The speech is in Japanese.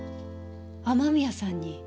雨宮さんに？